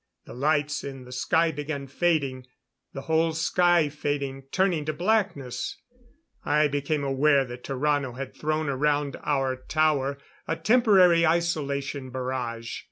The lights in the sky began fading the whole sky fading, turning to blackness! I became aware that Tarrano had thrown around our tower a temporary isolation barrage.